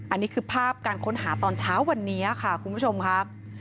อันนี้คือภาพการค้นหาตอนเช้าวันนี้ค่ะคุณผู้ชมค่ะ